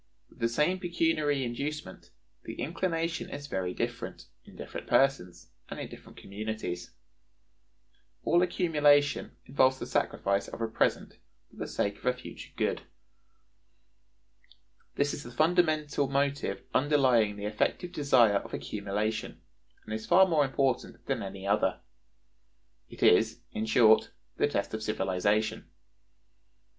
With the same pecuniary inducement, the inclination is very different, in different persons, and in different communities. (2.) All accumulation involves the sacrifice of a present, for the sake of a future good. This is the fundamental motive underlying the effective desire of accumulation, and is far more important than any other. It is, in short, the test of civilization.